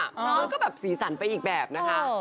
มันก็แบบสีสันไปอีกแบบนะคะ